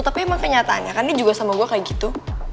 tapi emang kenyataannya kan dia juga sama gue kayak gitu